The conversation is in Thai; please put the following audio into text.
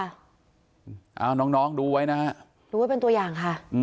เอาน้องดูไว้นะฮะดูไว้เป็นตัวอย่างค่ะ